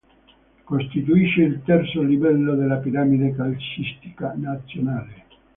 Costituisce il terzo livello della piramide calcistica nazionale.